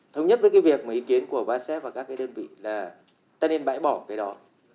thông nhất với cái việc mà ý kiến của bác sếp và các cái đơn vị là ta nên bãi bỏ cái đó